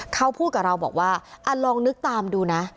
เขาพูดกับเราบอกว่าลองนึกตามดูนะ